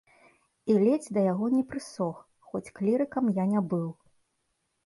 І ледзь да яго не прысох, хоць клірыкам я не быў.